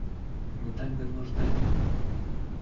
Мы так давно ждали.